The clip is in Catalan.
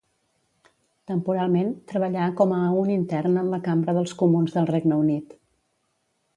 Temporalment treballà com a un intern en la Cambra dels Comuns del Regne Unit.